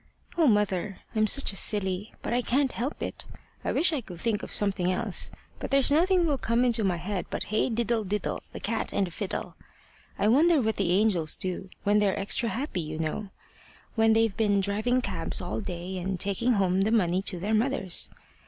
O, mother, I'm such a silly! But I can't help it. I wish I could think of something else, but there's nothing will come into my head but hey diddle diddle! the cat and the fiddle! I wonder what the angels do when they're extra happy, you know when they've been driving cabs all day and taking home the money to their mothers.